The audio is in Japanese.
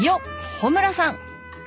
穂村さん！